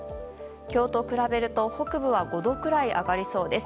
今日と比べると北部は５度くらい上がりそうです。